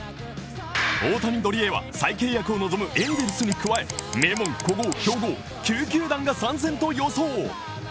大谷どりへは再契約を望むエンゼルスに加え名門、古豪、強豪、９球団が参戦と予想。